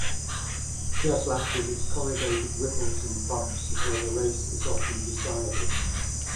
Ciaslat with its corrugated ripples and bumps is where the race is often decided.